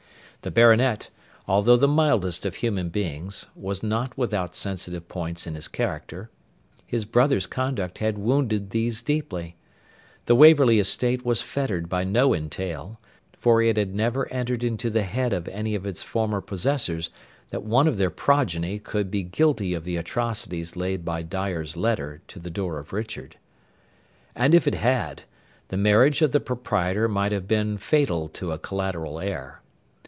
The Baronet, although the mildest of human beings, was not without sensitive points in his character; his brother's conduct had wounded these deeply; the Waverley estate was fettered by no entail (for it had never entered into the head of any of its former possessors that one of their progeny could be guilty of the atrocities laid by Dyer's 'Letter' to the door of Richard), and if it had, the marriage of the proprietor might have been fatal to a collateral heir.